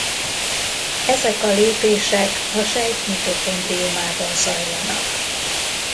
Ezek a lépések a sejt mitokondriumában zajlanak.